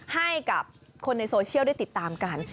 ให้กับคนในโซเชียลได้ติดตามกัน